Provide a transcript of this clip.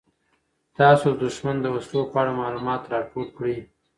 تاسو د دښمن د وسلو په اړه معلومات راټول کړئ.